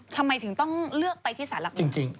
ทำไมถึงต้องเลือกไปที่สารหลักเมืองจริง